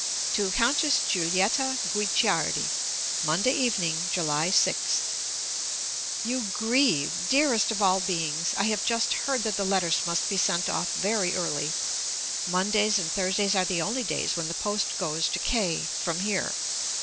TO COUNTESS GIULIETTA GUICCIARDI MONDAY EVENING, July 6th. You grieve! dearest of all beings! I have just heard that the letters must be sent off very early. Mondays and Thursdays are the only days when the post goes to K from here.